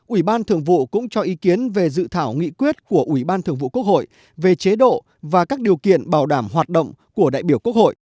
ủy ban thường vụ cũng cho ý kiến về dự thảo nghị quyết của ủy ban thường vụ quốc hội về chế độ và các điều kiện bảo đảm hoạt động của đại biểu quốc hội